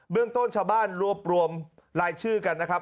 เรื่องต้นชาวบ้านรวบรวมรายชื่อกันนะครับ